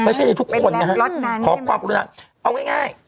ไม่ใช่ในทุกคนนะฮะขอความกรุณาเอาง่าย